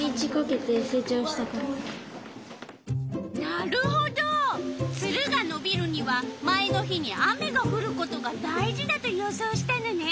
なるほどツルがのびるには前の日に雨がふることが大事だと予想したのね。